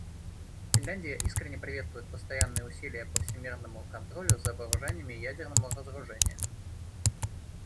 Финляндия искренне приветствует постоянные усилия по всемирному контролю за вооружениями и ядерному разоружения.